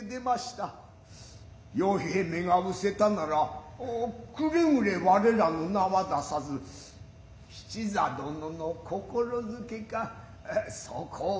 与兵衛めがうせたならくれぐれ我等の名は出さず七左殿の心付けかそこは御気転。